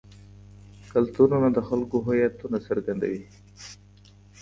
کلتورونه د خلکو هویت څرګندوي.